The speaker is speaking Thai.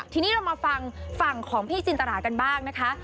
ทีนี้เรามาฟังฝั่งของพี่จินตรากันบ้างนะคะ